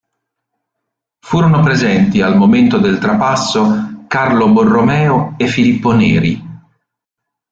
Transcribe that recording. Furono presenti al momento del trapasso Carlo Borromeo e Filippo Neri.